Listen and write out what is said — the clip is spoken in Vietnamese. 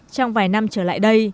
trong vài năm trở lại